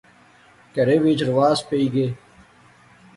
کہرے وچ رواس پئی گے